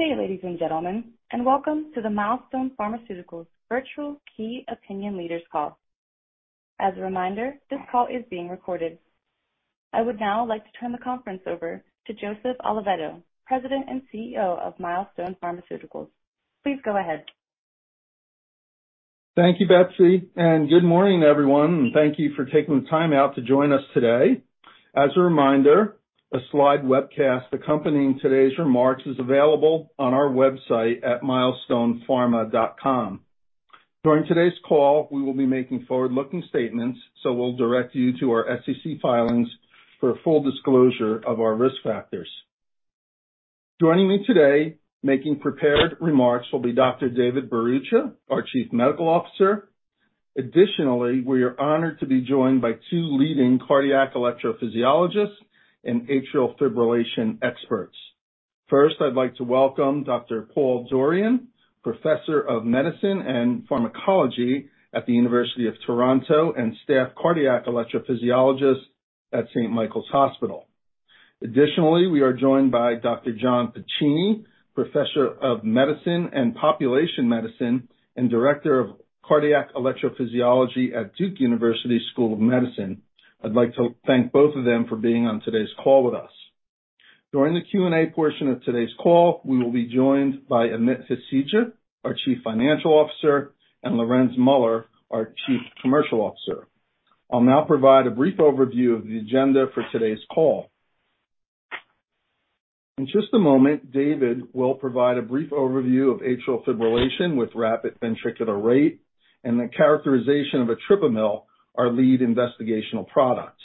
Good day, ladies and gentlemen, and welcome to the Milestone Pharmaceuticals virtual key opinion leaders call. As a reminder, this call is being recorded. I would now like to turn the conference over to Joseph Oliveto, President and CEO of Milestone Pharmaceuticals. Please go ahead. Thank you, Betsy, and good morning, everyone. Thank you for taking the time out to join us today. As a reminder, a slide webcast accompanying today's remarks is available on our website at milestonepharma.com. During today's call, we will be making forward-looking statements, so we'll direct you to our SEC filings for a full disclosure of our risk factors. Joining me today, making prepared remarks, will be Dr. David Bharucha, our Chief Medical Officer. Additionally, we are honored to be joined by two leading cardiac electrophysiologists and atrial fibrillation experts. First, I'd like to welcome Dr. Paul Dorian, Professor of Medicine and Pharmacology at the University of Toronto and Staff Cardiac Electrophysiologist at St. Michael's Hospital. Additionally, we are joined by Dr. Jonathan P. Piccini, Professor of Medicine and Population Medicine and Director of Cardiac Electrophysiology at Duke University School of Medicine. I'd like to thank both of them for being on today's call with us. During the Q&A portion of today's call, we will be joined by Amit Hasija, our Chief Financial Officer, and Lorenz Muller, our Chief Commercial Officer. I'll now provide a brief overview of the agenda for today's call. In just a moment, David will provide a brief overview of atrial fibrillation with rapid ventricular rate and the characterization of etripamil, our lead investigational product.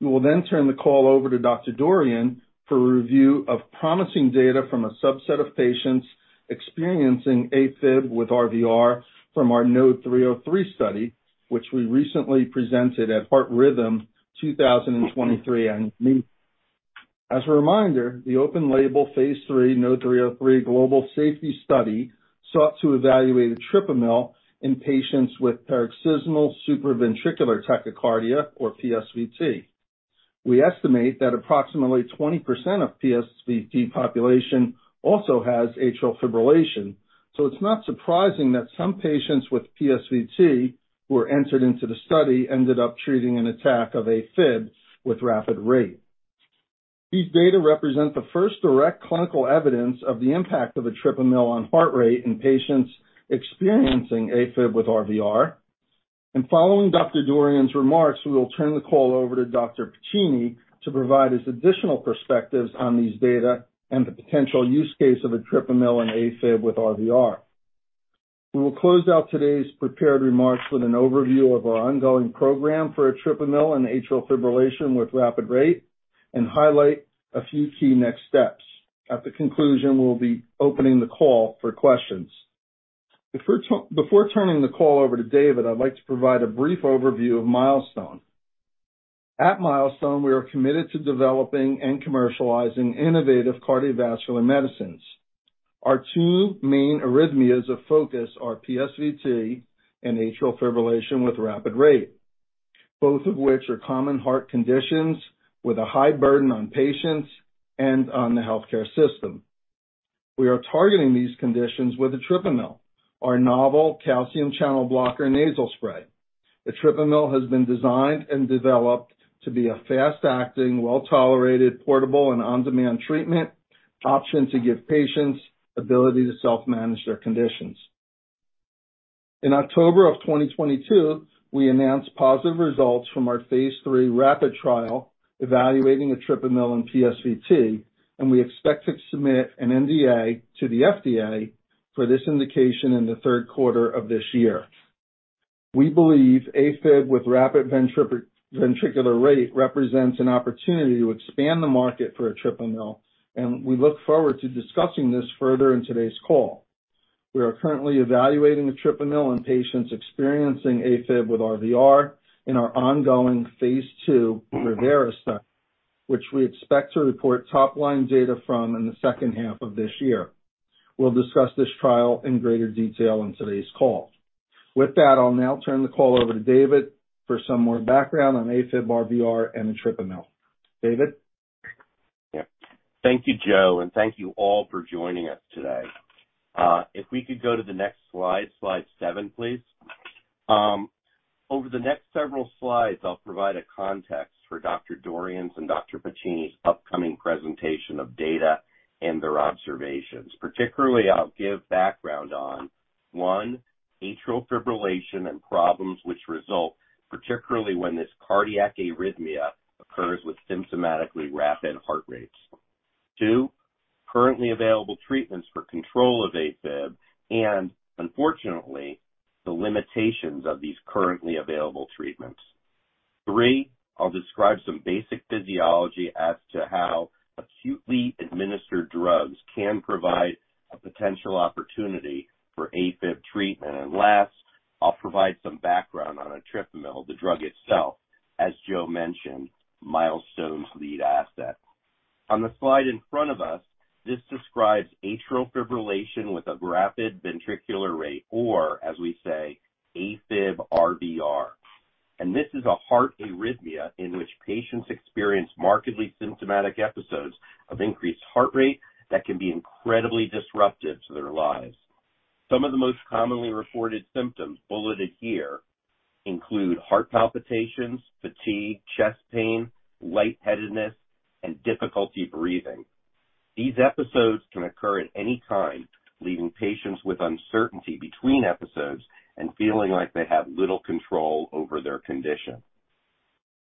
We will then turn the call over to Dr. Dorian for a review of promising data from a subset of patients experiencing AFib with RVR from our NODE-303 study, which we recently presented at Heart Rhythm 2023. As a reminder, the open-label phase III NODE-303 global safety study sought to evaluate etripamil in patients with paroxysmal supraventricular tachycardia, or PSVT. We estimate that approximately 20% of PSVT population also has atrial fibrillation. It's not surprising that some patients with PSVT who were entered into the study ended up treating an attack of AFib with rapid rate. These data represent the first direct clinical evidence of the impact of etripamil on heart rate in patients experiencing AFib with RVR. Following Dr. Dorian's remarks, we will turn the call over to Dr. Piccini to provide his additional perspectives on these data and the potential use case of etripamil in AFib with RVR. We will close out today's prepared remarks with an overview of our ongoing program for etripamil and atrial fibrillation with rapid rate and highlight a few key next steps. At the conclusion, we'll be opening the call for questions. Before turning the call over to David, I'd like to provide a brief overview of Milestone. At Milestone, we are committed to developing and commercializing innovative cardiovascular medicines. Our two main arrhythmias of focus are PSVT and atrial fibrillation with rapid rate, both of which are common heart conditions with a high burden on patients and on the healthcare system. We are targeting these conditions with etripamil, our novel calcium channel blocker nasal spray. Etripamil has been designed and developed to be a fast-acting, well-tolerated, portable, and on-demand treatment option to give patients ability to self-manage their conditions. In October of 2022, we announced positive results from our phase III RAPID trial evaluating etripamil in PSVT, and we expect to submit an NDA to the FDA for this indication in the third quarter of this year. We believe AFib with rapid ventricular rate represents an opportunity to expand the market for etripamil, and we look forward to discussing this further in today's call. We are currently evaluating etripamil in patients experiencing AFib with RVR in our ongoing phase II ReVeRA study, which we expect to report top-line data from in the second half of this year. We'll discuss this trial in greater detail on today's call. With that, I'll now turn the call over to David for some more background on AFib-RVR and etripamil. David? Yeah. Thank you, Joe, and thank you all for joining us today. If we could go to the next slide 7, please. Over the next several slides, I'll provide a context for Dr. Dorian's and Dr. Piccini's upcoming presentation of data and their observations. Particularly, I'll give background on, one, atrial fibrillation and problems which result, particularly when this cardiac arrhythmia occurs with symptomatically rapid heart rates. Two, currently available treatments for control of AFib and unfortunately, the limitations of these currently available treatments. Three, I'll describe some basic physiology as to how acutely administered drugs can provide a potential opportunity for AFib treatment. Last, I'll provide some background on etripamil, the drug itself, as Joe mentioned, Milestone's lead asset. On the slide in front of us, this describes atrial fibrillation with a rapid ventricular rate, or, as we say, AFib-RVR. This is a heart arrhythmia in which patients experience markedly symptomatic episodes of increased heart rate that can be incredibly disruptive to their lives. Some of the most commonly reported symptoms, bulleted here, include heart palpitations, fatigue, chest pain, lightheadedness, and difficulty breathing. These episodes can occur at any time, leaving patients with uncertainty between episodes and feeling like they have little control over their condition.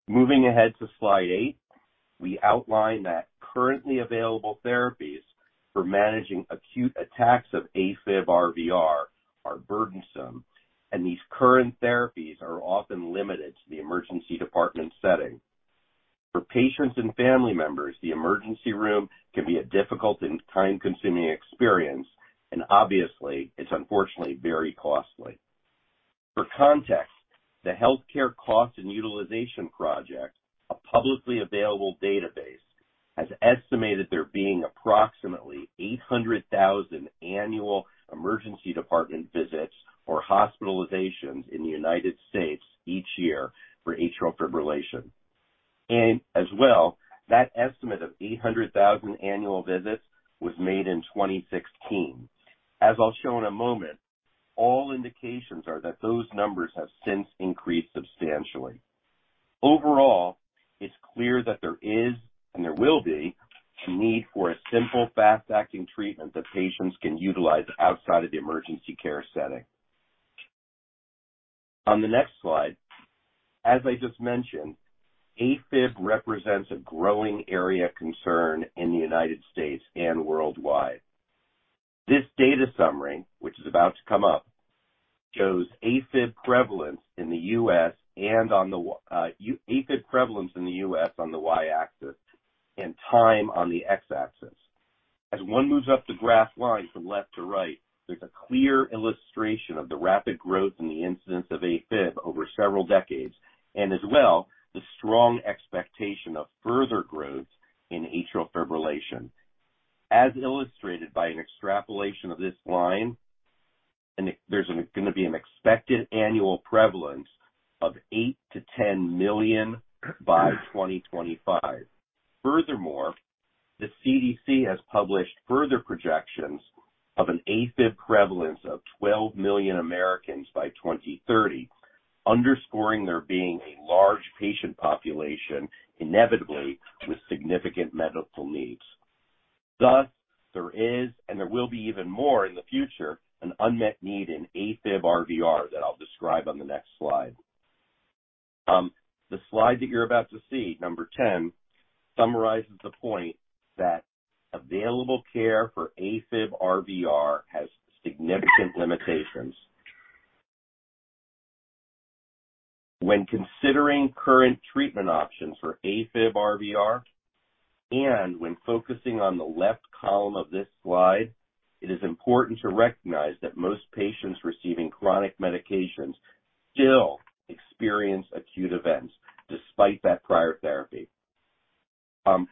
Moving ahead to slide 8, we outline that currently available therapies for managing acute attacks of AFib-RVR are burdensome, and these current therapies are often limited to the emergency department setting. For patients and family members, the emergency room can be a difficult and time-consuming experience, and obviously, it's unfortunately very costly. For context, the Healthcare Cost and Utilization Project, a publicly available database, has estimated there being approximately 800,000 annual emergency department visits or hospitalizations in the United States each year for atrial fibrillation. As well, that estimate of 800,000 annual visits was made in 2016. As I'll show in a moment, all indications are that those numbers have since increased substantially. Overall, it's clear that there is, and there will be, a need for a simple, fast-acting treatment that patients can utilize outside of the emergency care setting. On the next slide, as I just mentioned, AFib represents a growing area of concern in the United States and worldwide. This data summary, which is about to come up, shows AFib prevalence in the U.S. on the Y-axis and time on the X-axis. As one moves up the graph line from left to right, there's a clear illustration of the rapid growth in the incidence of AFib over several decades, and as well, the strong expectation of further growth in atrial fibrillation. As illustrated by an extrapolation of this line, there's going to be an expected annual prevalence of 8-10 million by 2025. Furthermore, the CDC has published further projections of an AFib prevalence of 12 million Americans by 2030, underscoring there being a large patient population inevitably with significant medical needs. Thus, there is, and there will be even more in the future, an unmet need in AFib-RVR that I'll describe on the next slide. The slide that you're about to see, number 10, summarizes the point that available care for AFib-RVR has significant limitations. When considering current treatment options for AFib-RVR and when focusing on the left column of this slide, it is important to recognize that most patients receiving chronic medications still experience acute events despite that prior therapy.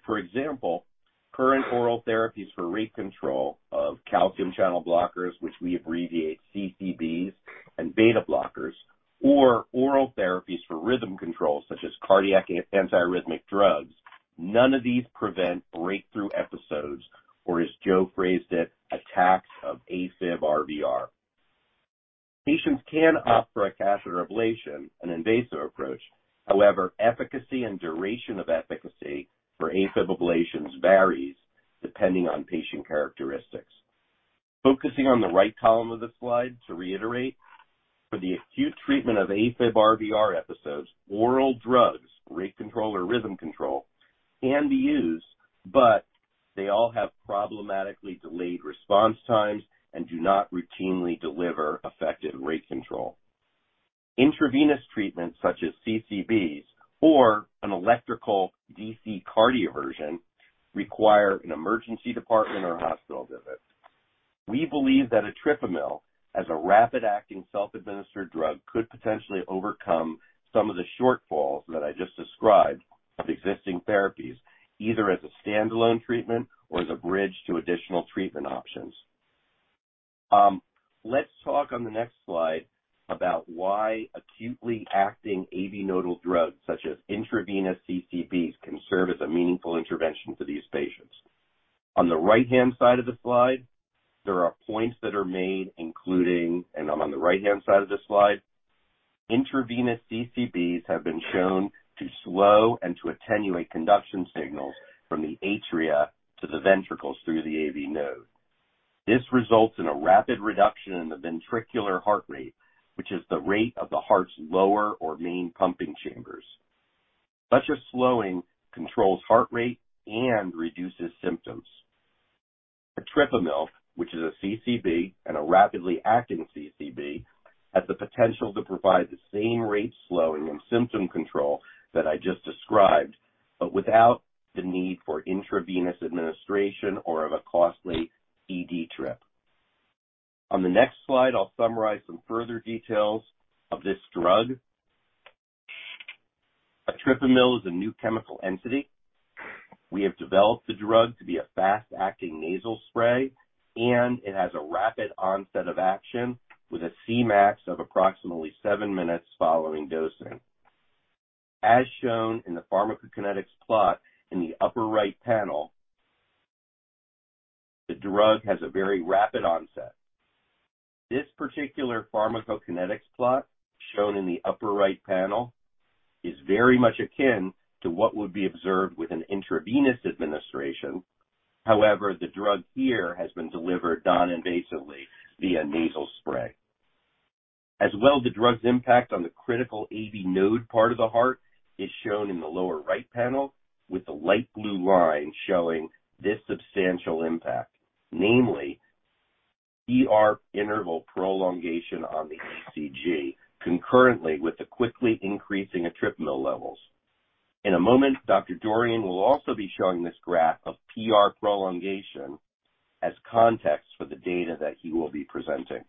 For example, current oral therapies for rate control, calcium channel blockers, which we abbreviate as CCBs, and beta blockers, or oral therapies for rhythm control, such as cardiac anti-arrhythmic drugs. None of these prevent breakthrough episodes, or as Joe phrased it, attacks of AFib-RVR. Patients can opt for a catheter ablation, an invasive approach. However, efficacy and duration of efficacy for AFib ablations varies depending on patient characteristics. Focusing on the right column of the slide, to reiterate, for the acute treatment of AFib-RVR episodes, oral drugs for rate control or rhythm control can be used, but they all have problematically delayed response times and do not routinely deliver effective rate control. Intravenous treatments such as CCBs or an electrical DC cardioversion require an emergency department or hospital visit. We believe that etripamil, as a rapid-acting, self-administered drug, could potentially overcome some of the shortfalls that I just described of existing therapies, either as a standalone treatment or as a bridge to additional treatment options. Let's talk on the next slide about why acutely acting AV nodal drugs such as intravenous CCBs can serve as a meaningful intervention for these patients. On the right-hand side of the slide, there are points that are made, and I'm on the right-hand side of this slide. Intravenous CCBs have been shown to slow and to attenuate conduction signals from the atria to the ventricles through the AV node. This results in a rapid reduction in the ventricular heart rate, which is the rate of the heart's lower or main pumping chambers. Such a slowing controls heart rate and reduces symptoms. Etripamil, which is a CCB and a rapidly acting CCB, has the potential to provide the same rate slowing and symptom control that I just described, but without the need for intravenous administration or for a costly ED trip. On the next slide, I'll summarize some further details of this drug. Etripamil is a new chemical entity. We have developed the drug to be a fast-acting nasal spray, and it has a rapid onset of action with a CMAX of approximately seven minutes following dosing. As shown in the pharmacokinetics plot in the upper right panel, the drug has a very rapid onset. This particular pharmacokinetics plot, shown in the upper right panel, is very much akin to what would be observed with an intravenous administration. However, the drug here has been delivered non-invasively via nasal spray. As well, the drug's impact on the critical AV node part of the heart is shown in the lower right panel with the light blue line showing this substantial impact, namely PR interval prolongation on the ECG, concurrently with the quickly increasing etripamil levels. In a moment, Dr. Dorian will also be showing this graph of PR prolongation as context for the data that he will be presenting.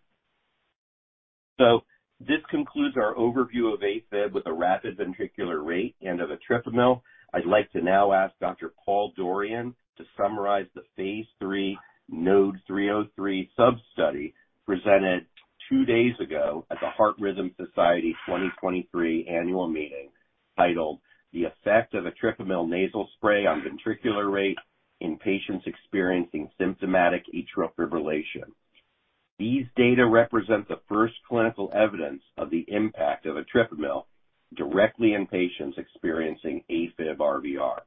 This concludes our overview of AFib with a rapid ventricular rate and of etripamil. I'd like to now ask Dr. Paul Dorian to summarize the phase III NODE-303 sub-study presented two days ago at the Heart Rhythm Society 2023 annual meeting, titled "The effect of etripamil nasal spray on ventricular rate in patients experiencing symptomatic atrial fibrillation." These data represent the first clinical evidence of the impact of etripamil directly in patients experiencing AFib-RVR.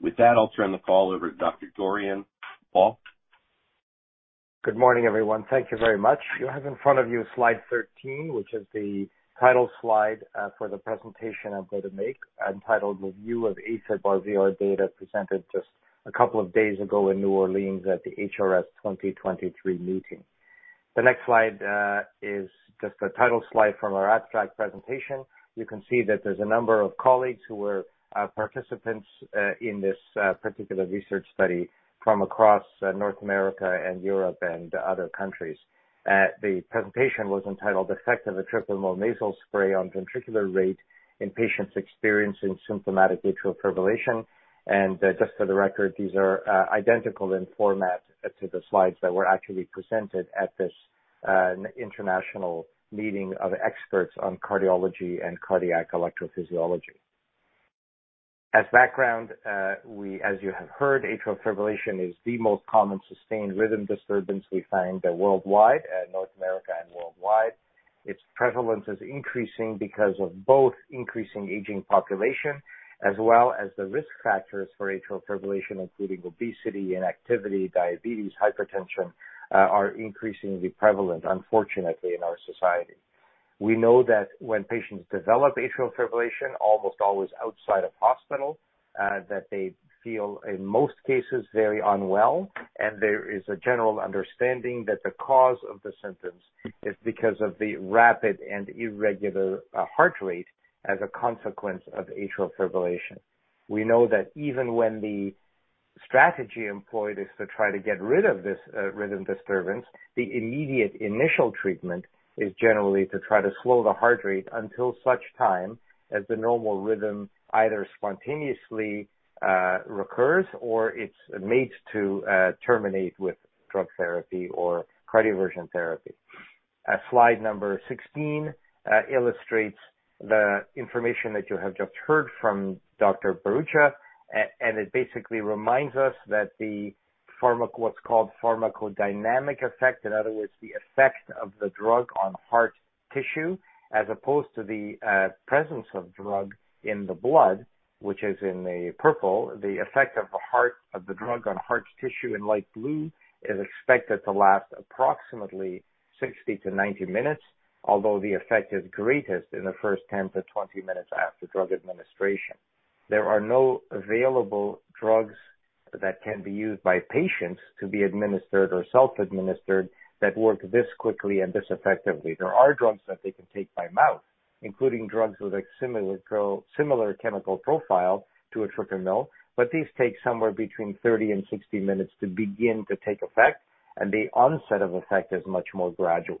With that, I'll turn the call over to Dr. Dorian. Paul? Good morning, everyone. Thank you very much. You have in front of you slide 13, which is the title slide for the presentation I'm going to make, entitled "Review of AFib-RVR Data," presented just a couple of days ago in New Orleans at the HRS 2023 meeting. The next slide is just a title slide from our abstract presentation. You can see that there's a number of colleagues who were participants in this particular research study from across North America and Europe and other countries. The presentation was entitled "Effect of etripamil Nasal Spray on Ventricular Rate in Patients Experiencing Symptomatic Atrial Fibrillation." Just for the record, these are identical in format to the slides that were actually presented at this international meeting of experts on cardiology and cardiac electrophysiology. As background, as you have heard, atrial fibrillation is the most common sustained rhythm disturbance we find worldwide, North America and worldwide. Its prevalence is increasing because of both increasing aging population as well as the risk factors for atrial fibrillation, including obesity, inactivity, diabetes, hypertension, are increasingly prevalent, unfortunately, in our society. We know that when patients develop atrial fibrillation, almost always outside of hospital, that they feel, in most cases, very unwell, and there is a general understanding that the cause of the symptoms is because of the rapid and irregular heart rate as a consequence of atrial fibrillation. We know that even when the strategy employed is to try to get rid of this rhythm disturbance, the immediate initial treatment is generally to try to slow the heart rate until such time as the normal rhythm either spontaneously recurs or it's made to terminate with drug therapy or cardioversion therapy. Slide number 16 illustrates the information that you have just heard from Dr. Bharucha, and it basically reminds us that the pharmacodynamic effect, in other words, the effect of the drug on heart tissue, as opposed to the presence of drug in the blood, which is in the purple. The effect of the drug on heart tissue in light blue is expected to last approximately 60-90 minutes, although the effect is greatest in the first 10-20 minutes after drug administration. There are no available drugs that can be used by patients to be administered or self-administered that work this quickly and this effectively. There are drugs that they can take by mouth, including drugs with a similar chemical profile to etripamil, but these take somewhere between 30 and 60 minutes to begin to take effect, and the onset of effect is much more gradual.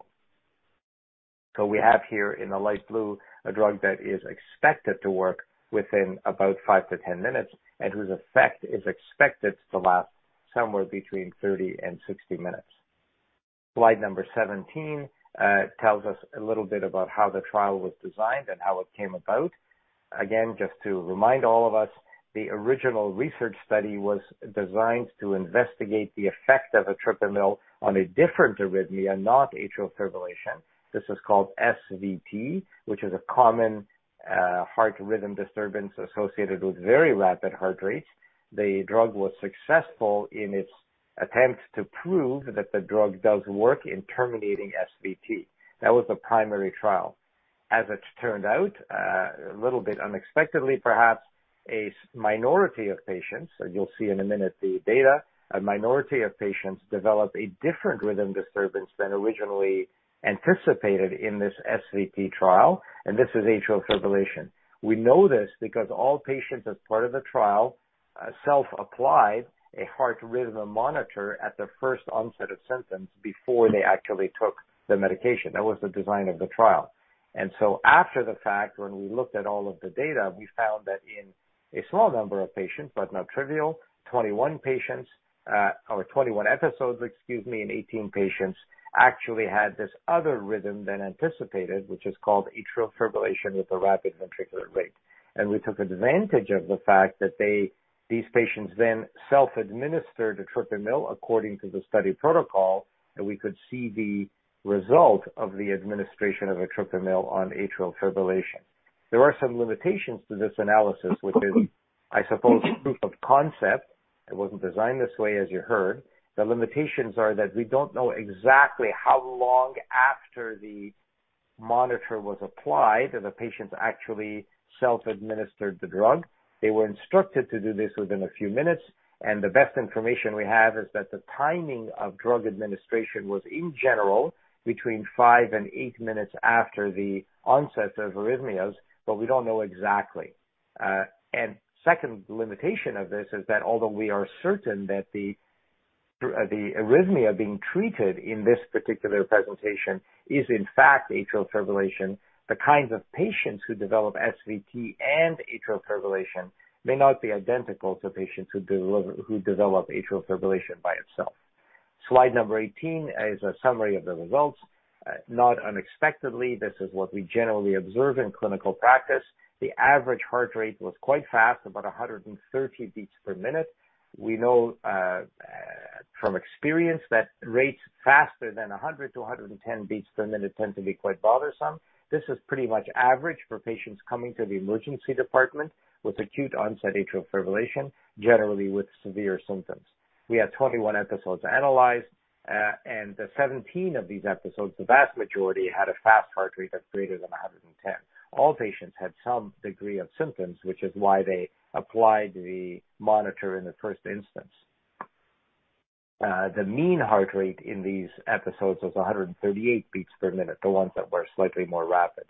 We have here in the light blue a drug that is expected to work within about five to 10 minutes and whose effect is expected to last somewhere between 30 and 60 minutes. Slide number 17 tells us a little bit about how the trial was designed and how it came about. Again, just to remind all of us, the original research study was designed to investigate the effect of etripamil on a different arrhythmia, not atrial fibrillation. This is called SVT, which is a common heart rhythm disturbance associated with very rapid heart rates. The drug was successful in its attempt to prove that the drug does work in terminating SVT. That was the primary trial. As it turned out, a little bit unexpectedly perhaps, a minority of patients, you'll see in a minute the data, developed a different rhythm disturbance from originally anticipated in this SVT trial, and this is atrial fibrillation. We know this because all patients, as part of the trial, self-applied a heart rhythm monitor at the first onset of symptoms before they actually took the medication. That was the design of the trial. After the fact, when we looked at all of the data, we found that in a small number of patients, but not trivial, 21 patients, or 21 episodes, excuse me, in 18 patients actually had this other rhythm than anticipated, which is called atrial fibrillation with a rapid ventricular rate. We took advantage of the fact that these patients then self-administered etripamil according to the study protocol, and we could see the result of the administration of etripamil on atrial fibrillation. There are some limitations to this analysis, which is, I suppose, proof of concept. It wasn't designed this way, as you heard. The limitations are that we don't know exactly how long after the monitor was applied that the patients actually self-administered the drug. They were instructed to do this within a few minutes, and the best information we have is that the timing of drug administration was, in general, between five and eight minutes after the onset of arrhythmias, but we don't know exactly. Second limitation of this is that although we are certain that the arrhythmia being treated in this particular presentation is in fact atrial fibrillation, the kinds of patients who develop SVT and atrial fibrillation may not be identical to patients who develop atrial fibrillation by itself. Slide number 18 is a summary of the results. Not unexpectedly, this is what we generally observe in clinical practice. The average heart rate was quite fast, about 130 beats per minute. We know from experience that rates faster than 100-110 beats per minute tend to be quite bothersome. This is pretty much average for patients coming to the emergency department with acute onset atrial fibrillation, generally with severe symptoms. We had 21 episodes analyzed, and 17 of these episodes, the vast majority, had a fast heart rate of greater than 110. All patients had some degree of symptoms, which is why they applied the monitor in the first instance. The mean heart rate in these episodes was 138 beats per minute, the ones that were slightly more rapid.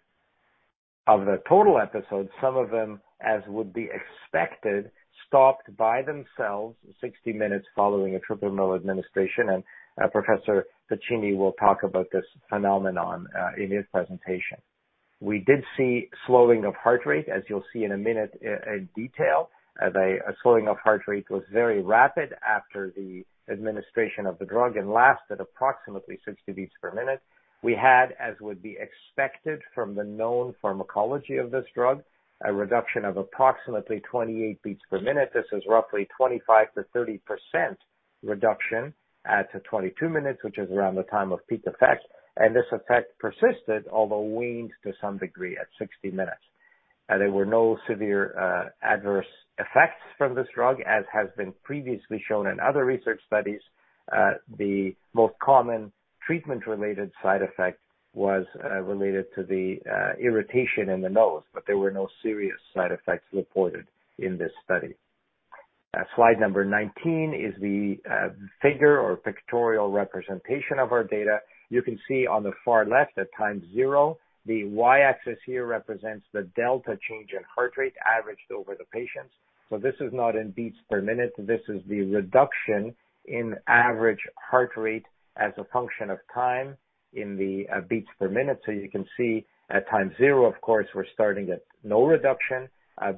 Of the total episodes, some of them, as would be expected, stopped by themselves 60 minutes following etripamil administration, and Professor Piccini will talk about this phenomenon in his presentation. We did see slowing of heart rate, as you'll see in a minute in detail. The slowing of heart rate was very rapid after the administration of the drug and lasted approximately 60 beats per minute. We had, as would be expected from the known pharmacology of this drug, a reduction of approximately 28 beats per minute. This is roughly 25%-30% reduction at the 22 minutes, which is around the time of peak effect. This effect persisted, although waned to some degree, at 60 minutes. There were no severe adverse effects from this drug, as has been previously shown in other research studies. The most common treatment-related side effect was related to the irritation in the nose, but there were no serious side effects reported in this study. Slide number 19 is the figure or pictorial representation of our data. You can see on the far left, at time zero, the Y-axis here represents the delta change in heart rate averaged over the patients. So this is not in beats per minute. This is the reduction in average heart rate as a function of time in the beats per minute. You can see at time zero, of course, we're starting at no reduction.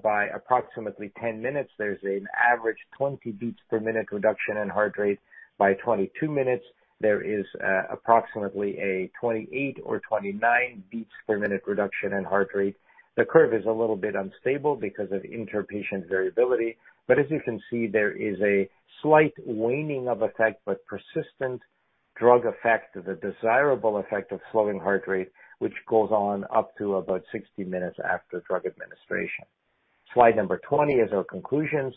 By approximately 10 minutes, there's an average 20 beats per minute reduction in heart rate. By 22 minutes, there is approximately a 28 or 29 beats per minute reduction in heart rate. The curve is a little bit unstable because of inter-patient variability. As you can see, there is a slight waning of effect but persistent drug effect, the desirable effect of slowing heart rate, which goes on up to about 60 minutes after drug administration. Slide number 20 is our conclusions.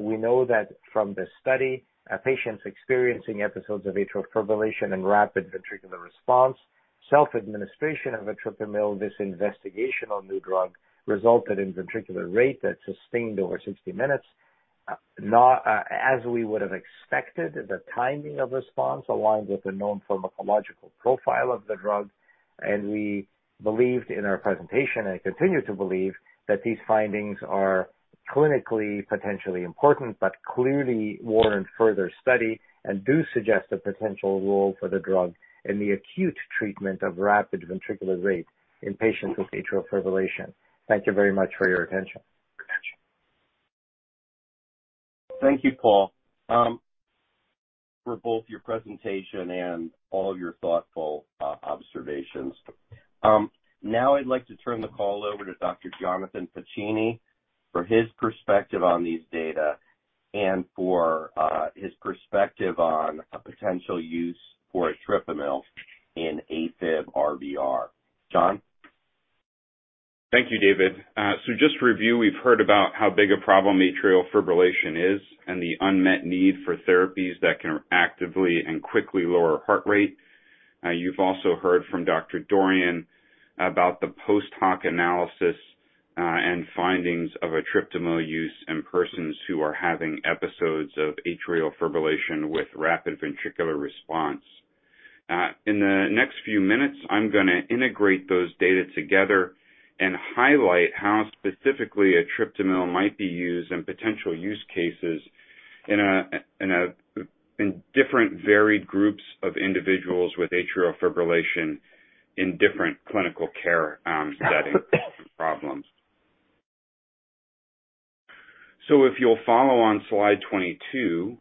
We know that from the study, patients experiencing episodes of atrial fibrillation and rapid ventricular response, self-administration of etripamil, this investigational new drug, resulted in ventricular rate that sustained over 60 minutes. As we would've expected, the timing of response aligns with the known pharmacological profile of the drug. We believed in our presentation, and continue to believe, that these findings are clinically potentially important but clearly warrant further study and do suggest a potential role for the drug in the acute treatment of rapid ventricular rate in patients with atrial fibrillation. Thank you very much for your attention. Thank you, Paul, for both your presentation and all your thoughtful observations. Now I'd like to turn the call over to Dr. Jonathan Piccini for his perspective on these data and for his perspective on a potential use for etripamil in AFib-RVR. John? Thank you, David. Just to review, we've heard about how big a problem atrial fibrillation is and the unmet need for therapies that can actively and quickly lower heart rate. You've also heard from Dr. Dorian about the post hoc analysis and findings of etripamil use in persons who are having episodes of atrial fibrillation with rapid ventricular response. In the next few minutes, I'm gonna integrate those data together and highlight how specifically etripamil might be used and potential use cases in different varied groups of individuals with atrial fibrillation in different clinical care settings and problems. If you'll follow on slide 22,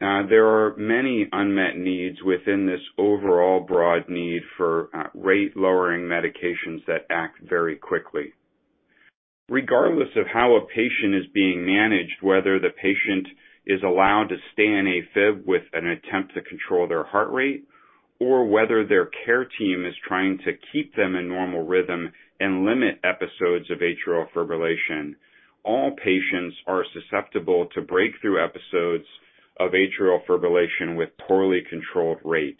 there are many unmet needs within this overall broad need for rate-lowering medications that act very quickly. Regardless of how a patient is being managed, whether the patient is allowed to stay in AFib with an attempt to control their heart rate, or whether their care team is trying to keep them in normal rhythm and limit episodes of atrial fibrillation, all patients are susceptible to breakthrough episodes of atrial fibrillation with poorly controlled rate.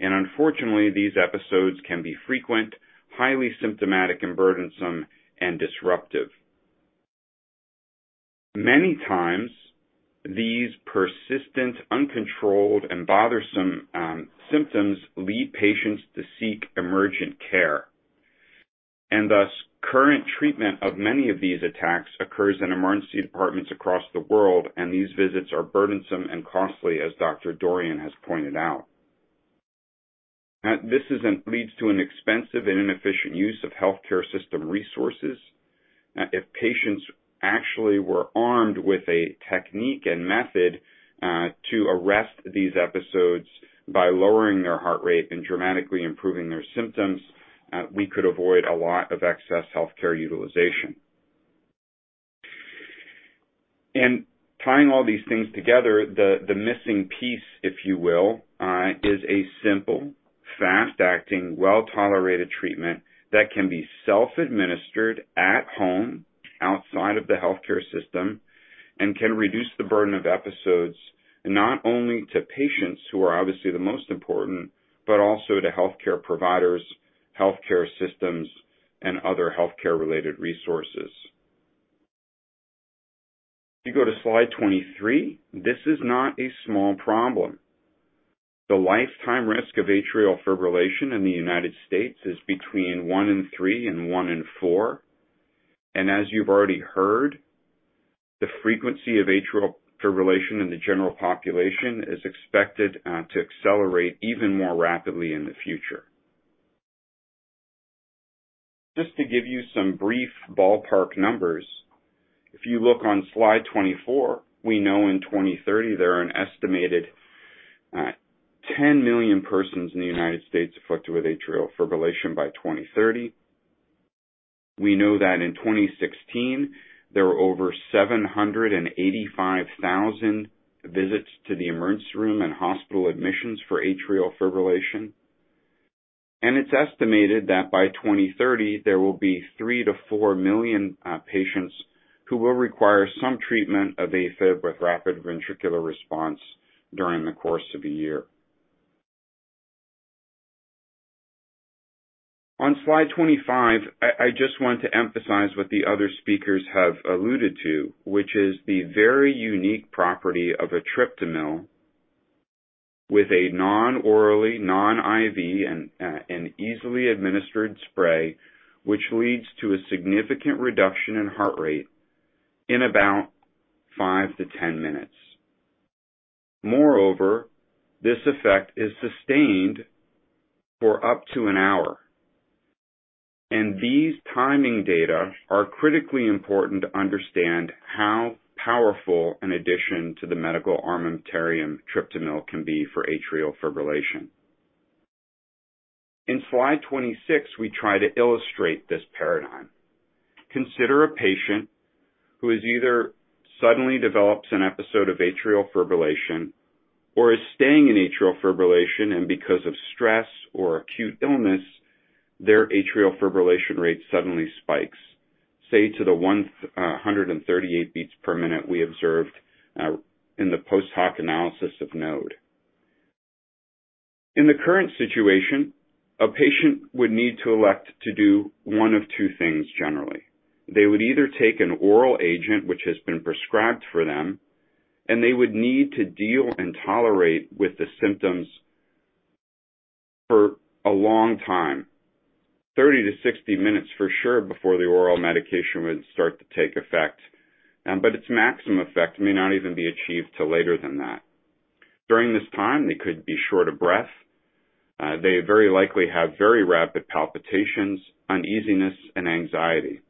Unfortunately, these episodes can be frequent, highly symptomatic, and burdensome, and disruptive. Many times, these persistent, uncontrolled, and bothersome symptoms lead patients to seek emergent care. Thus, current treatment of many of these attacks occurs in emergency departments across the world, and these visits are burdensome and costly, as Dr. Dorian has pointed out. This leads to an expensive and inefficient use of healthcare system resources. If patients actually were armed with a technique and method to arrest these episodes by lowering their heart rate and dramatically improving their symptoms, we could avoid a lot of excess healthcare utilization. Tying all these things together, the missing piece, if you will, is a simple, fast-acting, well-tolerated treatment that can be self-administered at home outside of the healthcare system and can reduce the burden of episodes, not only to patients, who are obviously the most important, but also to healthcare providers, healthcare systems, and other healthcare-related resources. If you go to slide 23, this is not a small problem. The lifetime risk of atrial fibrillation in the United States is between one in three and one in four. As you've already heard, the frequency of atrial fibrillation in the general population is expected to accelerate even more rapidly in the future. Just to give you some brief ballpark numbers, if you look on slide 24, we know in 2030, there are an estimated 10 million persons in the United States afflicted with atrial fibrillation by 2030. We know that in 2016, there were over 785,000 visits to the emergency room and hospital admissions for atrial fibrillation. It's estimated that by 2030, there will be 3-4 million patients who will require some treatment of AFib with rapid ventricular response during the course of the year. On slide 25, I just want to emphasize what the other speakers have alluded to, which is the very unique property of etripamil with a non-oral, non-IV and easily administered spray, which leads to a significant reduction in heart rate in about five to 10 minutes. Moreover, this effect is sustained for up to an hour. These timing data are critically important to understand how powerful an addition to the medical armamentarium etripamil can be for atrial fibrillation. In slide 26, we try to illustrate this paradigm. Consider a patient who has either suddenly develops an episode of atrial fibrillation or is staying in atrial fibrillation, and because of stress or acute illness, their atrial fibrillation rate suddenly spikes, say, to the 138 beats per minute we observed in the post hoc analysis of NODE. In the current situation, a patient would need to elect to do one of two things, generally. They would either take an oral agent which has been prescribed for them, and they would need to deal and tolerate with the symptoms for a long time, 30-60 minutes for sure before the oral medication would start to take effect. Its maximum effect may not even be achieved till later than that. During this time, they could be short of breath. They very likely have very rapid palpitations, uneasiness, and anxiety.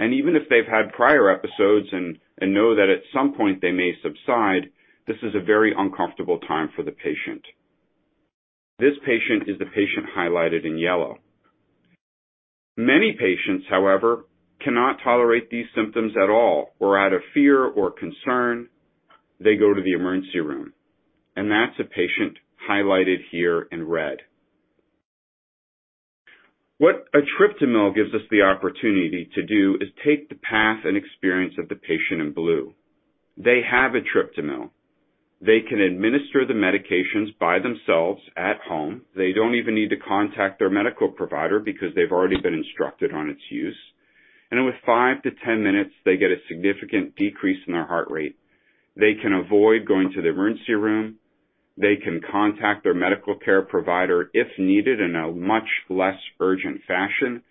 even if they've had prior episodes and know that at some point they may subside, this is a very uncomfortable time for the patient. This patient is the patient highlighted in yellow. Many patients, however, cannot tolerate these symptoms at all or out of fear or concern, they go to the emergency room. that's a patient highlighted here in red. What etripamil gives us the opportunity to do is take the path and experience of the patient in blue. They have etripamil. They can administer the medications by themselves at home. They don't even need to contact their medical provider because they've already been instructed on its use. With five to 10 minutes, they get a significant decrease in their heart rate. They can avoid going to the emergency room. They can contact their medical care provider if needed in a much less urgent fashion,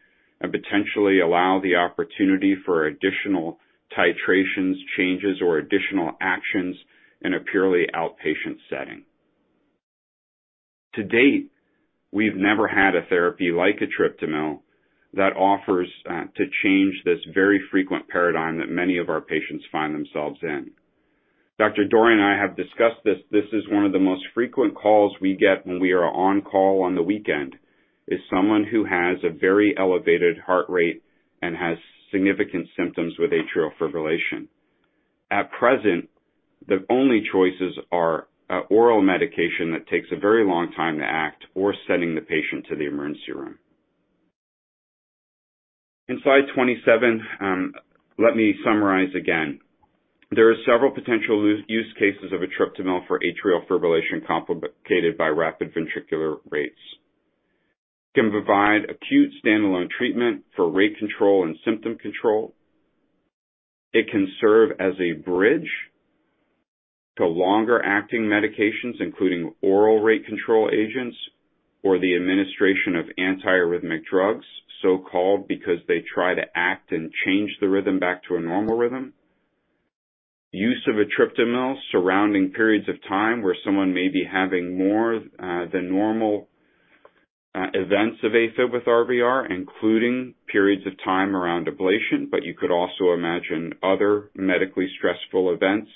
and potentially allow the opportunity for additional titrations, changes, or additional actions in a purely outpatient setting. To date, we've never had a therapy like etripamil that offers to change this very frequent paradigm that many of our patients find themselves in. Dr. Dorian and I have discussed this. This is one of the most frequent calls we get when we are on call on the weekend, is someone who has a very elevated heart rate and has significant symptoms with atrial fibrillation. At present, the only choices are an oral medication that takes a very long time to act or sending the patient to the emergency room. In slide 27, let me summarize again. There are several potential use cases of etripamil for atrial fibrillation complicated by rapid ventricular rates. It can provide acute standalone treatment for rate control and symptom control. It can serve as a bridge to longer-acting medications, including oral rate control agents or the administration of anti-arrhythmic drugs, so-called because they try to act and change the rhythm back to a normal rhythm. Use of etripamil surrounding periods of time where someone may be having more than normal events of AFib with RVR, including periods of time around ablation, but you could also imagine other medically stressful events,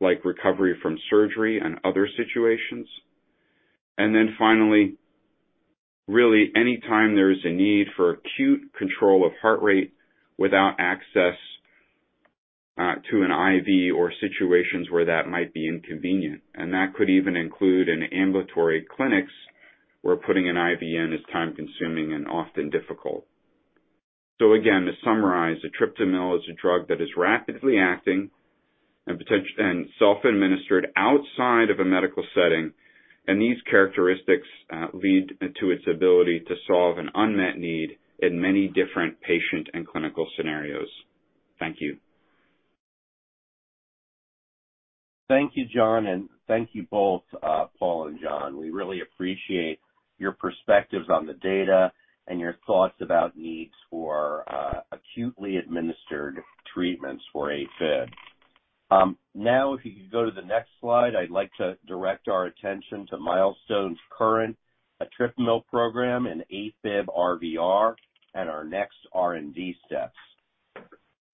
like recovery from surgery and other situations. Finally, really any time there's a need for acute control of heart rate without access to an IV or situations where that might be inconvenient. That could even include in ambulatory clinics where putting an IV in is time-consuming and often difficult. Again, to summarize, etripamil is a drug that is rapidly acting and self-administered outside of a medical setting, and these characteristics lead to its ability to solve an unmet need in many different patient and clinical scenarios. Thank you. Thank you, John, and thank you both, Paul and John. We really appreciate your perspectives on the data and your thoughts about needs for acutely administered treatments for AFib. Now, if you could go to the next slide, I'd like to direct our attention to Milestone's current etripamil program in AFib-RVR and our next R&D steps.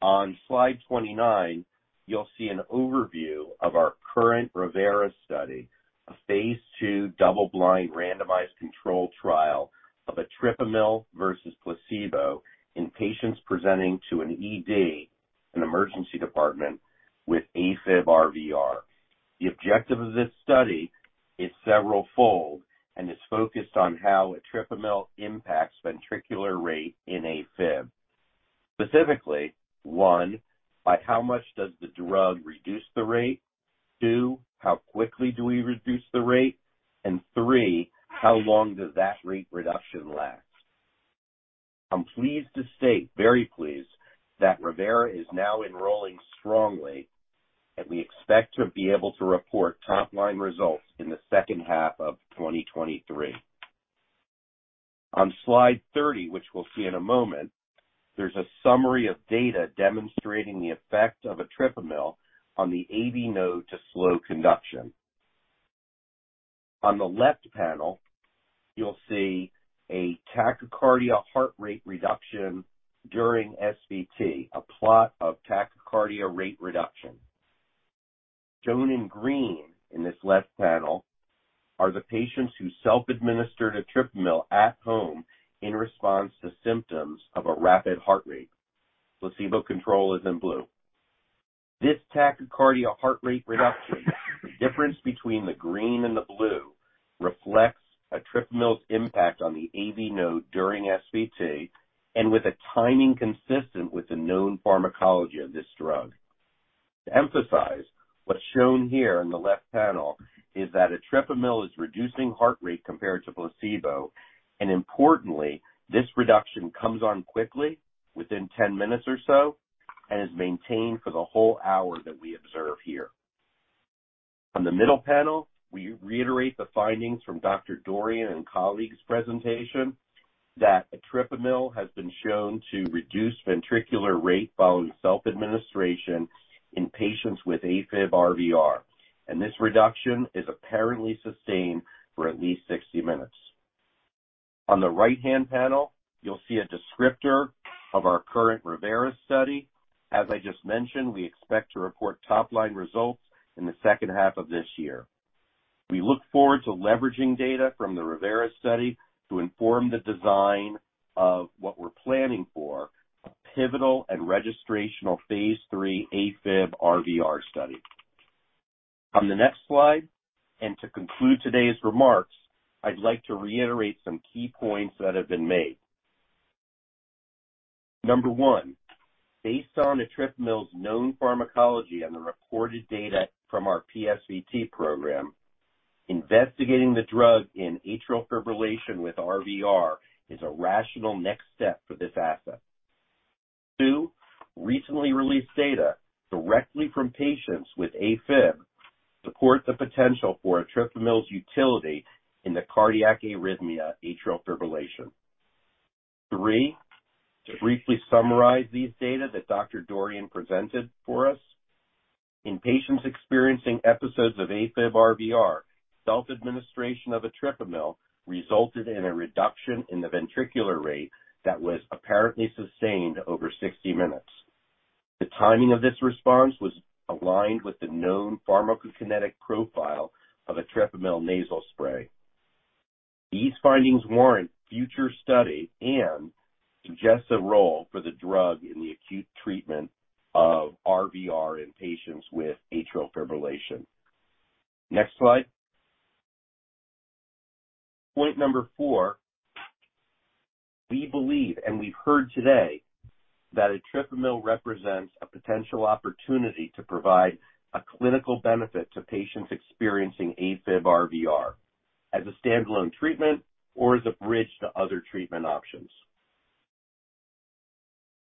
On slide 29, you'll see an overview of our current ReVeRA study, a phase II double-blind randomized controlled trial of etripamil versus placebo in patients presenting to an ED, an emergency department, with AFib-RVR. The objective of this study is severalfold and is focused on how etripamil impacts ventricular rate in AFib. Specifically, one, by how much does the drug reduce the rate? Two, how quickly do we reduce the rate? And three, how long does that rate reduction last? I'm pleased to state, very pleased, that ReVeRA is now enrolling strongly, and we expect to be able to report top-line results in the second half of 2023. On slide 30, which we'll see in a moment, there's a summary of data demonstrating the effect of etripamil on the AV node to slow conduction. On the left panel, you'll see a tachycardia heart rate reduction during SVT, a plot of tachycardia rate reduction. Shown in green in this left panel are the patients who self-administered etripamil at home in response to symptoms of a rapid heart rate. Placebo control is in blue. This tachycardia heart rate reduction, the difference between the green and the blue, reflects etripamil's impact on the AV node during SVT and with a timing consistent with the known pharmacology of this drug. To emphasize, what's shown here in the left panel is that etripamil is reducing heart rate compared to placebo, and importantly, this reduction comes on quickly, within 10 minutes or so, and is maintained for the whole hour that we observe here. On the middle panel, we reiterate the findings from Dr. Dorian and colleagues' presentation that etripamil has been shown to reduce ventricular rate following self-administration in patients with AFib-RVR, and this reduction is apparently sustained for at least 60 minutes. On the right-hand panel, you'll see a descriptor of our current ReVeRA study. As I just mentioned, we expect to report top-line results in the second half of this year. We look forward to leveraging data from the ReVeRA study to inform the design of what we're planning for pivotal and registrational phase III AFib-RVR study. On the next slide, and to conclude today's remarks, I'd like to reiterate some key points that have been made. Number one, based on etripamil's known pharmacology and the reported data from our PSVT program, investigating the drug in atrial fibrillation with RVR is a rational next step for this asset. Two, recently released data directly from patients with AFib support the potential for etripamil's utility in the cardiac arrhythmia, atrial fibrillation. Three, to briefly summarize these data that Dr. Dorian presented for us, in patients experiencing episodes of AFib-RVR, self-administration of etripamil resulted in a reduction in the ventricular rate that was apparently sustained over 60 minutes. The timing of this response was aligned with the known pharmacokinetic profile of etripamil nasal spray. These findings warrant future study and suggest a role for the drug in the acute treatment of RVR in patients with atrial fibrillation. Next slide. Point number four, we believe, and we've heard today, that etripamil represents a potential opportunity to provide a clinical benefit to patients experiencing AFib-RVR as a standalone treatment or as a bridge to other treatment options.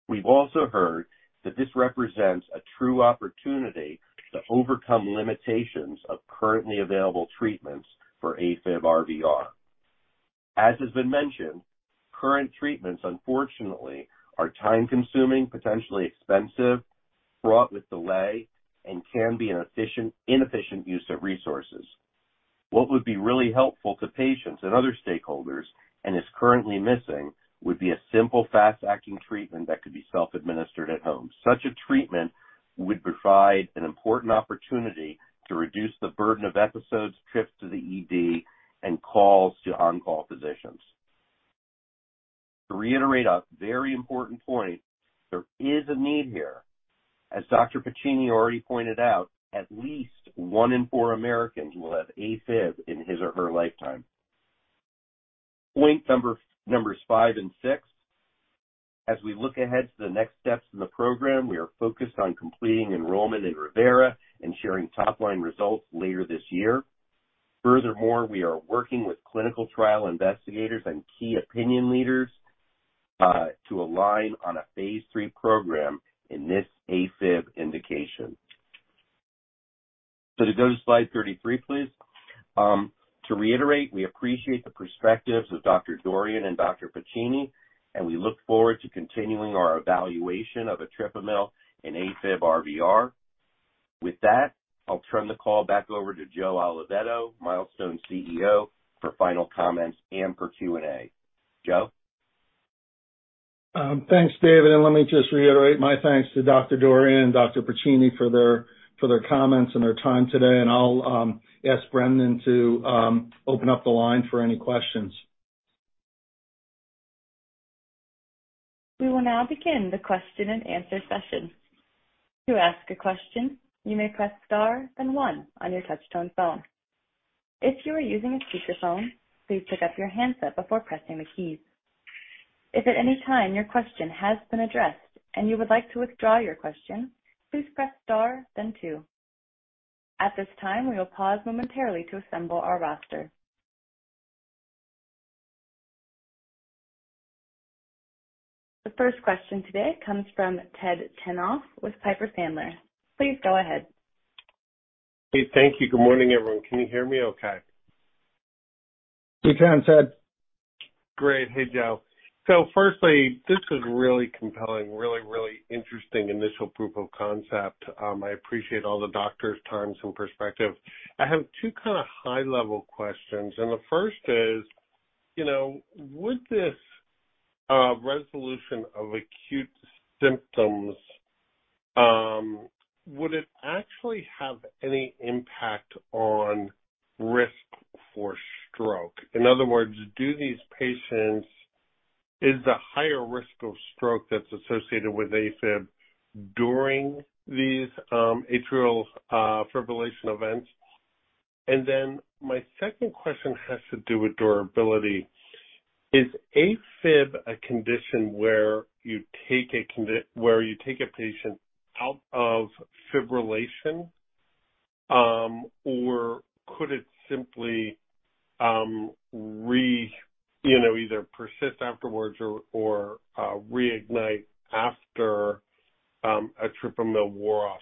We've also heard that this represents a true opportunity to overcome limitations of currently available treatments for AFib-RVR. As has been mentioned, current treatments, unfortunately, are time-consuming, potentially expensive, fraught with delay, and can be an inefficient use of resources. What would be really helpful to patients and other stakeholders, and is currently missing, would be a simple, fast-acting treatment that could be self-administered at home. Such a treatment would provide an important opportunity to reduce the burden of episodes, trips to the ED, and calls to on-call physicians. To reiterate a very important point, there is a need here. As Dr. Piccini already pointed out, at least one in four Americans will have AFib in his or her lifetime. Points numbers five and six. As we look ahead to the next steps in the program, we are focused on completing enrollment in ReVeRA and sharing top-line results later this year. Furthermore, we are working with clinical trial investigators and key opinion leaders to align on a phase III program in this AFib indication. To go to slide 33, please. To reiterate, we appreciate the perspectives of Dr. Dorian and Dr. Piccini, and we look forward to continuing our evaluation of etripamil in AFib-RVR. With that, I'll turn the call back over to Joe Oliveto, Milestone CEO, for final comments and for Q&A. Joe? Thanks, David, and let me just reiterate my thanks to Dr. Dorian and Dr. Piccini for their comments and their time today. I'll ask Brendan to open up the line for any questions. We will now begin the question and answer session. To ask a question, you may press star then one on your touchtone phone. If you are using a speakerphone, please pick up your handset before pressing the keys. If at any time your question has been addressed and you would like to withdraw your question, please press star then two. At this time, we will pause momentarily to assemble our roster. The first question today comes from Ted Tenthoff with Piper Sandler. Please go ahead. Hey, thank you. Good morning, everyone. Can you hear me okay? We can, Ted. Great. Hey, Joe. Firstly, this was really compelling, really interesting initial proof of concept. I appreciate all the doctors' times and perspective. I have two kind of high-level questions. The first is, would this resolution of acute symptoms, would it actually have any impact on risk for stroke? In other words, do these patients is the higher risk of stroke that's associated with AFib during these atrial fibrillation events? My second question has to do with durability. Is AFib a condition where you take a patient out of fibrillation? Or could it simply either persist afterwards or reignite after etripamil wore off?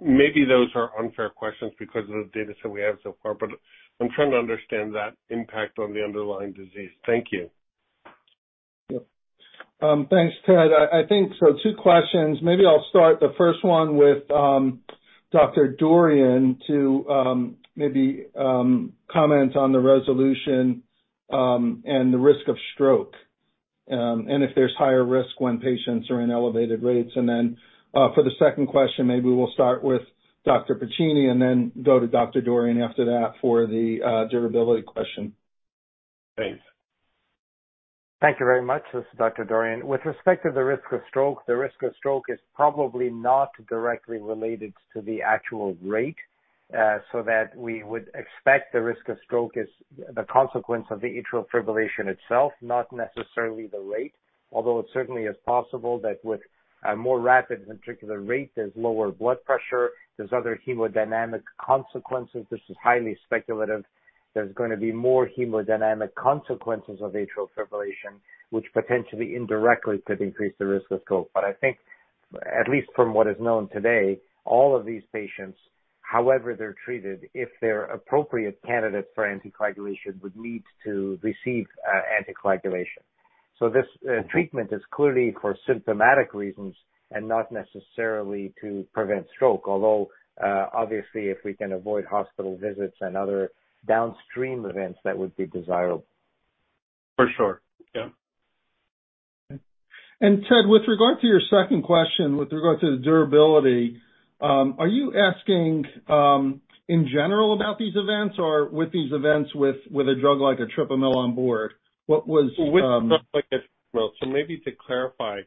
Maybe those are unfair questions because of the data set we have so far, but I'm trying to understand that impact on the underlying disease. Thank you. Yeah. Thanks, Ted. I think, so two questions. Maybe I'll start the first one with Dr. Dorian to maybe comment on the resolution and the risk of stroke, and if there's higher risk when patients are in elevated rates. Then for the second question, maybe we'll start with Dr. Piccini and then go to Dr. Dorian after that for the durability question. Thanks. Thank you very much. This is Dr. Dorian. With respect to the risk of stroke, the risk of stroke is probably not directly related to the actual rate. So that we would expect the risk of stroke is the consequence of the atrial fibrillation itself, not necessarily the rate, although it certainly is possible that with a more rapid ventricular rate, there's lower blood pressure, there's other hemodynamic consequences. This is highly speculative. There's going to be more hemodynamic consequences of atrial fibrillation, which potentially indirectly could increase the risk of stroke. I think, at least from what is known today, all of these patients, however they're treated, if they're appropriate candidates for anticoagulation, would need to receive anticoagulation. This treatment is clearly for symptomatic reasons and not necessarily to prevent stroke. Although, obviously, if we can avoid hospital visits and other downstream events, that would be desirable. For sure. Yeah. Okay. Ted, with regard to your second question, with regard to the durability, are you asking in general about these events, or with these events with a drug like etripamil on board? What was- With a drug like etripamil. Maybe to clarify,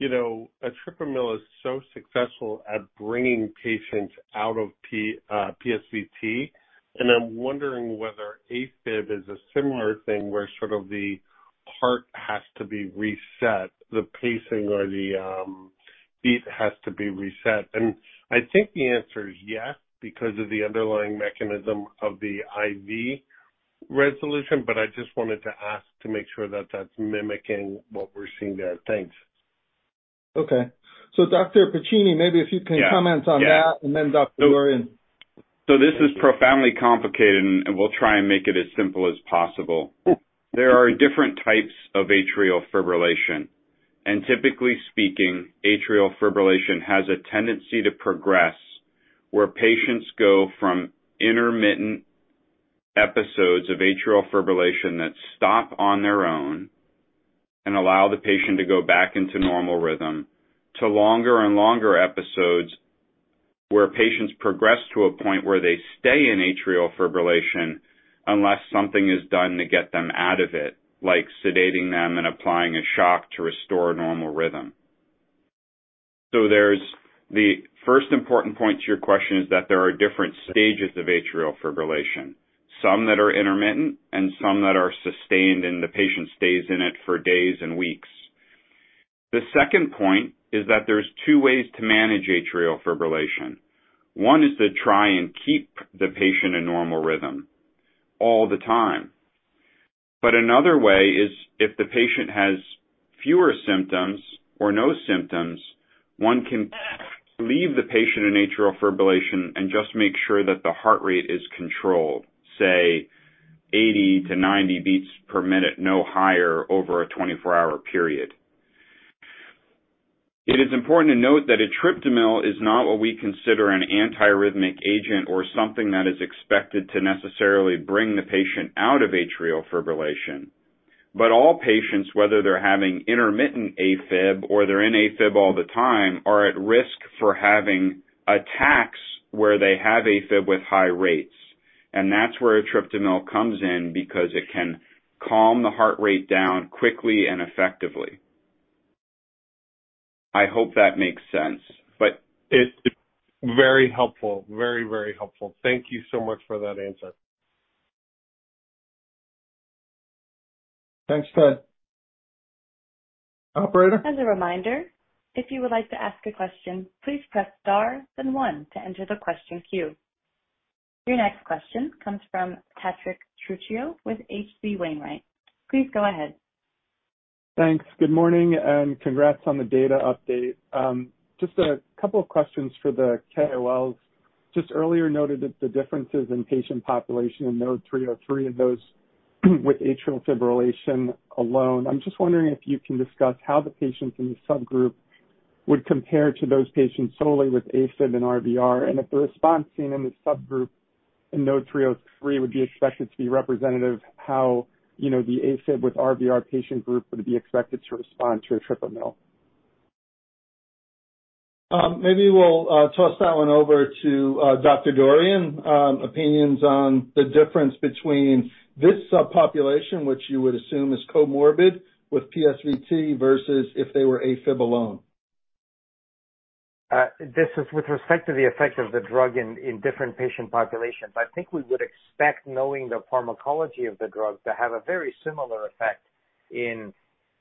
etripamil is so successful at bringing patients out of PSVT. I'm wondering whether AFib is a similar thing, where sort of the heart has to be reset, the pacing or the beat has to be reset. I think the answer is yes, because of the underlying mechanism of the AV resolution. I just wanted to ask to make sure that that's mimicking what we're seeing there. Thanks. Okay. Dr. Piccini, maybe if you can comment on that. Yeah. Dr. Dorian. This is profoundly complicated, and we'll try and make it as simple as possible. There are different types of atrial fibrillation. Typically speaking, atrial fibrillation has a tendency to progress, where patients go from intermittent episodes of atrial fibrillation that stop on their own and allow the patient to go back into normal rhythm, to longer and longer episodes where patients progress to a point where they stay in atrial fibrillation unless something is done to get them out of it, like sedating them and applying a shock to restore normal rhythm. There's the first important point to your question is that there are different stages of atrial fibrillation, some that are intermittent and some that are sustained, and the patient stays in it for days and weeks. The second point is that there's two ways to manage atrial fibrillation. One is to try and keep the patient in normal rhythm all the time. Another way is if the patient has fewer symptoms or no symptoms, one can leave the patient in atrial fibrillation and just make sure that the heart rate is controlled, say, 80-90 beats per minute, no higher over a 24-hour period. It is important to note that etripamil is not what we consider an anti-arrhythmic agent or something that is expected to necessarily bring the patient out of atrial fibrillation. All patients, whether they're having intermittent AFib or they're in AFib all the time, are at risk for having attacks where they have AFib with high rates. That's where etripamil comes in, because it can calm the heart rate down quickly and effectively. I hope that makes sense. It's very helpful. Very, very helpful. Thank you so much for that answer. Thanks, Ted. Operator? As a reminder, if you would like to ask a question, please press star then one to enter the question queue. Your next question comes from Patrick Trucchio with H.C. Wainwright. Please go ahead. Thanks. Good morning and congrats on the data update. Just a couple of questions for the KOLs. Just earlier noted that the differences in patient population in NODE-303 of those with atrial fibrillation alone. I'm just wondering if you can discuss how the patients in the subgroup would compare to those patients solely with AFib and RVR, and if the response seen in the subgroup in NODE-303 would be expected to be representative. How the AFib with RVR patient group would be expected to respond to etripamil. Maybe we'll toss that one over to Dr. Dorian. Opinions on the difference between this subpopulation, which you would assume is comorbid with PSVT, versus if they were AFib alone. This is with respect to the effect of the drug in different patient populations. I think we would expect, knowing the pharmacology of the drug, to have a very similar effect in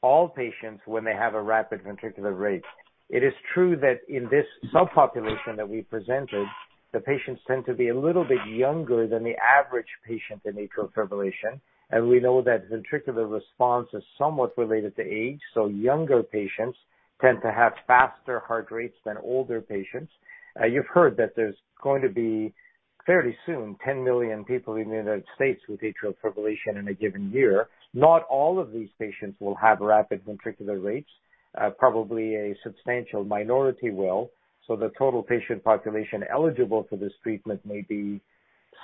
all patients when they have a rapid ventricular rate. It is true that in this subpopulation that we presented, the patients tend to be a little bit younger than the average patient in atrial fibrillation, and we know that ventricular response is somewhat related to age, so younger patients tend to have faster heart rates than older patients. You've heard that there's going to be, fairly soon, 10 million people in the United States with atrial fibrillation in a given year. Not all of these patients will have rapid ventricular rates. Probably a substantial minority will. The total patient population eligible for this treatment may be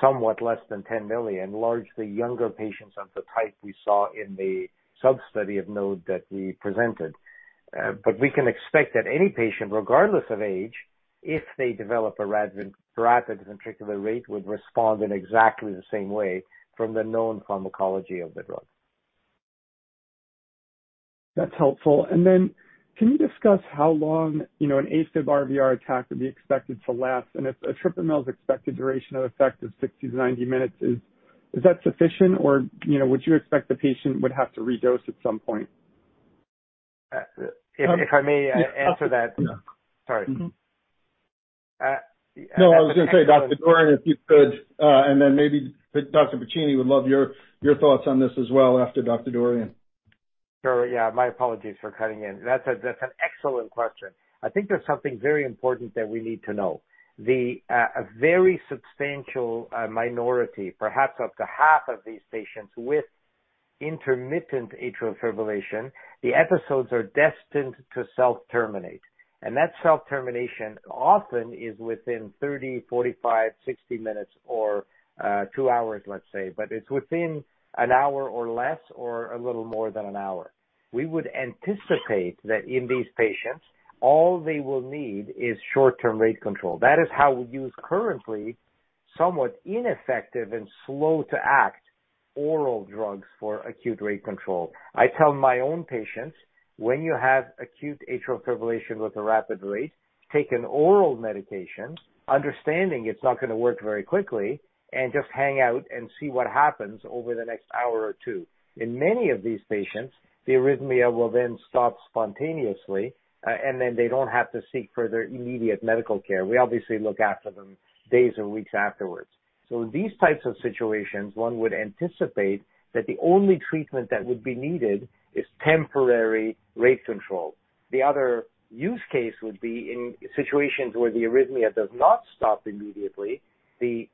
somewhat less than 10 million, largely younger patients of the type we saw in the sub-study of NODE that we presented. We can expect that any patient, regardless of age, if they develop a rapid ventricular rate, would respond in exactly the same way from the known pharmacology of the drug. That's helpful. Then can you discuss how long an AFib-RVR attack would be expected to last? If etripamil's expected duration of effect is 60-90 minutes, is that sufficient or would you expect the patient would have to redose at some point? If I may answer that. Yeah. Sorry. No, I was going to say, Dr. Dorian, if you could, and then maybe Dr. Piccini would love your thoughts on this as well after Dr. Dorian. Sure. Yeah. My apologies for cutting in. That's an excellent question. I think there's something very important that we need to know. The very substantial minority, perhaps up to half of these patients with intermittent atrial fibrillation, the episodes are destined to self-terminate. That self-termination often is within 30, 45, 60 minutes or two hours, let's say. It's within an hour or less or a little more than an hour. We would anticipate that in these patients, all they will need is short-term rate control. That is how we use currently somewhat ineffective and slow-to-act oral drugs for acute rate control. I tell my own patients, when you have acute atrial fibrillation with a rapid rate, take an oral medication understanding it's not going to work very quickly, and just hang out and see what happens over the next hour or two. In many of these patients, the arrhythmia will then stop spontaneously, and then they don't have to seek further immediate medical care. We obviously look after them days or weeks afterwards. In these types of situations, one would anticipate that the only treatment that would be needed is temporary rate control. The other use case would be in situations where the arrhythmia does not stop immediately. The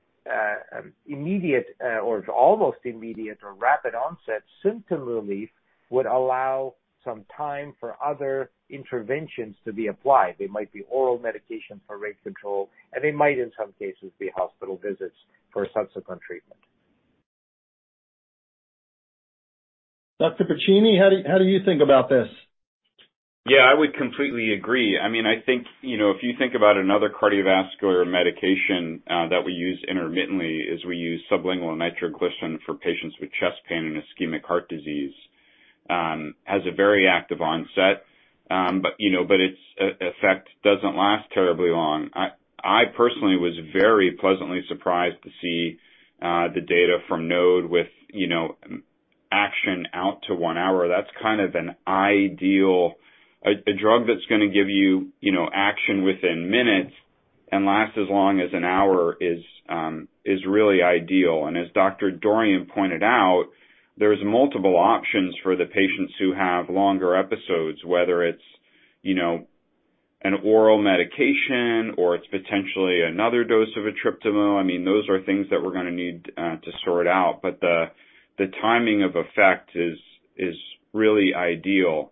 immediate or almost immediate or rapid onset symptom relief would allow some time for other interventions to be applied. They might be oral medication for rate control, and they might, in some cases, be hospital visits for subsequent treatment. Dr. Piccini, how do you think about this? Yeah, I would completely agree. I think, if you think about another cardiovascular medication that we use intermittently is we use sublingual nitroglycerin for patients with chest pain and ischemic heart disease. Has a very active onset. Its effect doesn't last terribly long. I personally was very pleasantly surprised to see the data from NODE with action out to one hour. That's kind of an ideal. A drug that's going to give you action within minutes and lasts as long as an hour is really ideal. As Dr. Dorian pointed out, there's multiple options for the patients who have longer episodes, whether it's an oral medication or it's potentially another dose of etripamil. Those are things that we're going to need to sort out. The timing of effect is really ideal.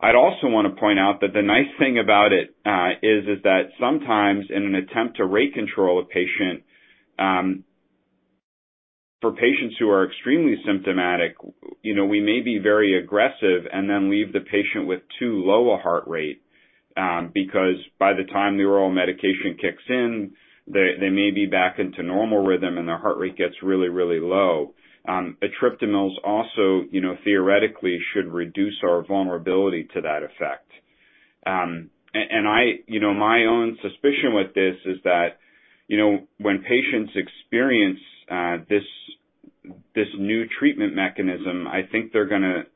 I'd also want to point out that the nice thing about it is that sometimes in an attempt to rate control a patient, for patients who are extremely symptomatic, we may be very aggressive and then leave the patient with too low a heart rate. Because by the time the oral medication kicks in, they may be back into normal rhythm and their heart rate gets really low. Etripamil is also theoretically should reduce our vulnerability to that effect. My own suspicion with this is that when patients experience this new treatment mechanism, I think they're going to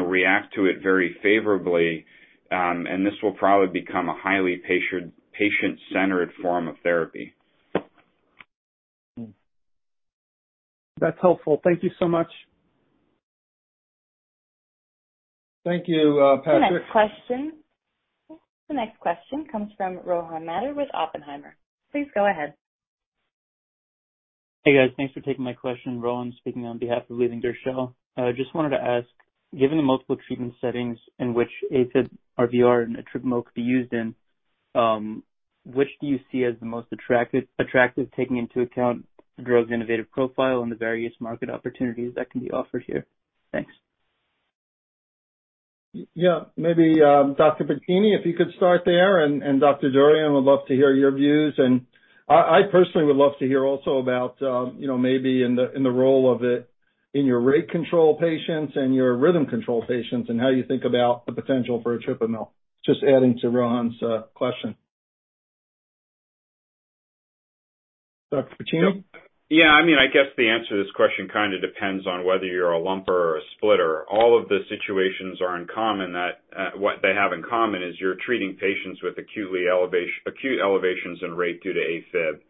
react to it very favorably. This will probably become a highly patient-centered form of therapy. That's helpful. Thank you so much. Thank you, Patrick. The next question comes from Rohan Mathur with Oppenheimer. Please go ahead. Hey, guys. Thanks for taking my question. Rohan Mathur speaking on behalf of Leland Gershell. I just wanted to ask, given the multiple treatment settings in which AFib-RVR and etripamil could be used in, which do you see as the most attractive, taking into account the drug's innovative profile and the various market opportunities that can be offered here? Thanks. Yeah. Maybe, Dr. Piccini, if you could start there, and Dr. Dorian, I would love to hear your views. I personally would love to hear also about maybe in the role of it in your rate control patients and your rhythm control patients, and how you think about the potential for etripamil. Just adding to Rohan's question. Dr. Piccini? Yeah. I guess the answer to this question kind of depends on whether you're a lumper or a splitter. All of the situations have in common that what they have in common is you're treating patients with acute elevations in rate due to AFib.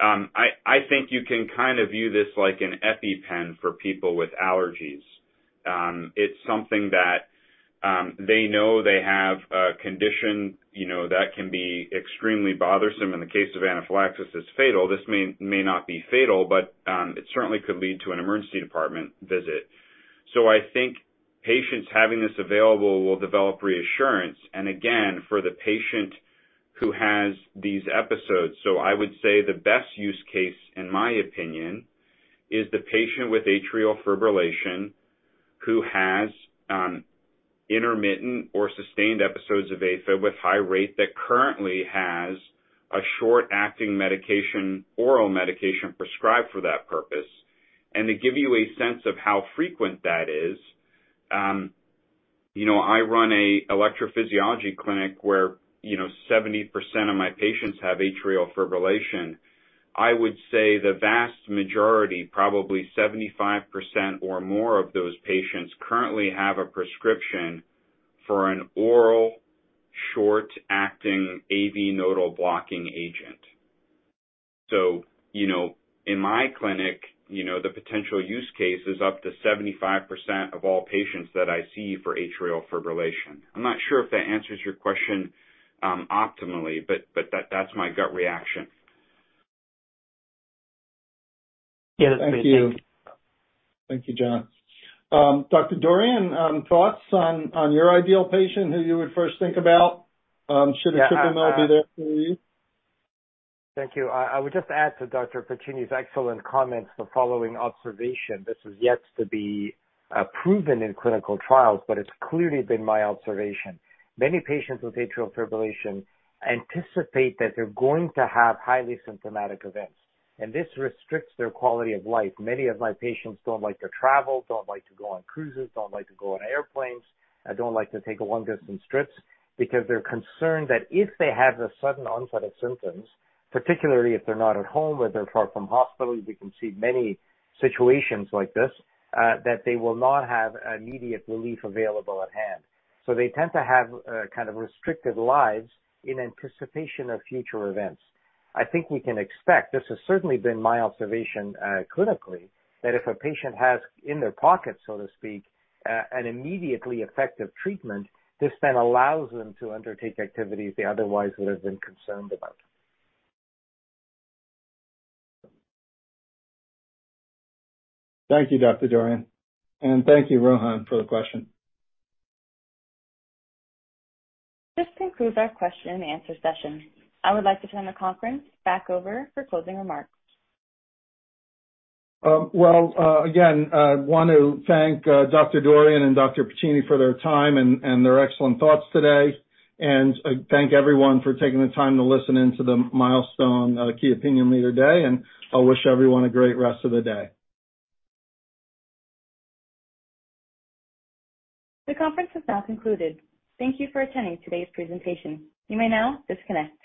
I think you can kind of view this like an EpiPen for people with allergies. It's something that they know they have a condition that can be extremely bothersome. In the case of anaphylaxis, it's fatal. This may not be fatal, but it certainly could lead to an emergency department visit. I think patients having this available will develop reassurance. Again, for the patient who has these episodes. I would say the best use case, in my opinion, is the patient with atrial fibrillation who has intermittent or sustained episodes of AFib with high rate that currently has a short-acting medication, oral medication prescribed for that purpose. To give you a sense of how frequent that is, I run a electrophysiology clinic where 70% of my patients have atrial fibrillation. I would say the vast majority, probably 75% or more of those patients, currently have a prescription for an oral short-acting AV nodal blocking agent. In my clinic, the potential use case is up to 75% of all patients that I see for atrial fibrillation. I'm not sure if that answers your question optimally, but that's my gut reaction. Yes. Thank you. Thank you, John. Dr. Dorian, thoughts on your ideal patient, who you would first think about? Should etripamil be there for you? Thank you. I would just add to Dr. Piccini's excellent comments, the following observation. This is yet to be proven in clinical trials, but it's clearly been my observation. Many patients with atrial fibrillation anticipate that they're going to have highly symptomatic events, and this restricts their quality of life. Many of my patients don't like to travel, don't like to go on cruises, don't like to go on airplanes, and don't like to take long-distance trips because they're concerned that if they have the sudden onset of symptoms, particularly if they're not at home or they're far from hospitals, we can see many situations like this, that they will not have immediate relief available at hand. They tend to have kind of restricted lives in anticipation of future events. I think we can expect, this has certainly been my observation clinically, that if a patient has in their pocket, so to speak, an immediately effective treatment, this then allows them to undertake activities they otherwise would have been concerned about. Thank you, Dr. Dorian. Thank you, Rohan, for the question. This concludes our question and answer session. I would like to turn the conference back over for closing remarks. Well, again, I want to thank Dr. Dorian and Dr. Piccini for their time and their excellent thoughts today. Thank everyone for taking the time to listen in to the Milestone Key Opinion Leader Day, and I wish everyone a great rest of the day. The conference is now concluded. Thank you for attending today's presentation. You may now disconnect.